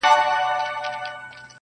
• ز ماپر حا ل باندي ژړا مه كوه.